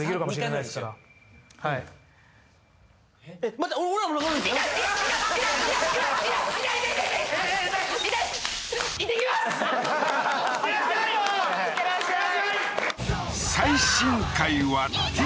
いってらっしゃい